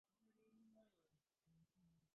ফোনে কী করছিলি?